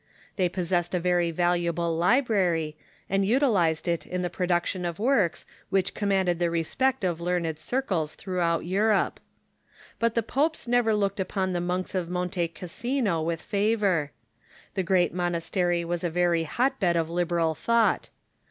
They pos sessed a very valuable library, and utilized it in the produc tion of works which commanded the respect of learned circles throughout Europe. But the popes never looked upon the monks of Monte Cassino with favor. The great monastery CHRISTIAN ART 163 was a very hotbed of liberal thouglit.